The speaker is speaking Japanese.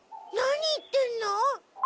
何言ってんの？